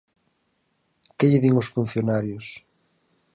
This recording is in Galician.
¿Que lle din os funcionarios?